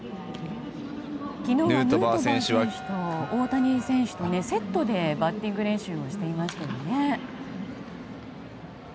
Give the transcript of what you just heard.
昨日はヌートバー選手と大谷選手とがセットでバッティング練習をしていましたね。